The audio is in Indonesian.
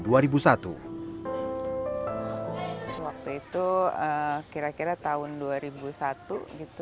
waktu itu kira kira tahun dua ribu satu gitu